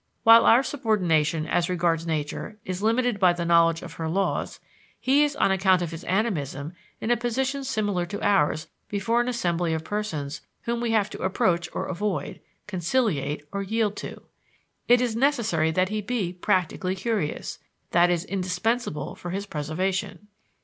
While our subordination as regards nature is limited by the knowledge of her laws, he is on account of his animism in a position similar to ours before an assembly of persons whom we have to approach or avoid, conciliate or yield to. It is necessary that he be practically curious that is indispensable for his preservation.